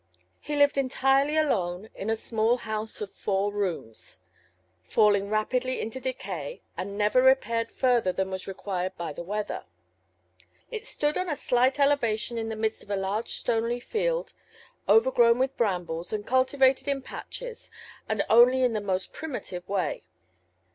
He lived entirely alone in a small house of four rooms, falling rapidly into decay and never repaired further than was required by the weather. It stood on a slight elevation in the midst of a large, stony field overgrown with brambles, and cultivated in patches and only in the most primitive way.